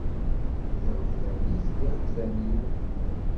Iɣeblan-ik d iɣeblan-iw.